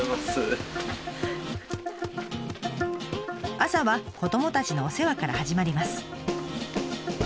朝は子どもたちのお世話から始まります。